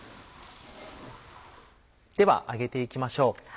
では揚げて行きましょう。